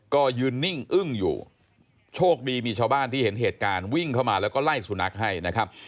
ก็ยืนนิ่งอึ้งอยู่โชคดีมีชาวบ้านที่เห็นเหตุการณ์วิ่งเข้ามาแล้วก็ไล่สุนัขให้นะครับ